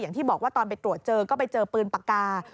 อย่างที่บอกว่าตอนไปตรวจเจอก็ไปเจอปืนปากกา